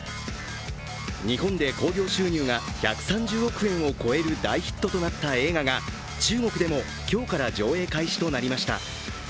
日本で興行収入が１３０億円を超える大ヒットとなった映画が中国でも今日から上映開始となりました。